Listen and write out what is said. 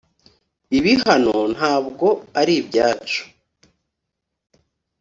ibi hano ntago aribyacu?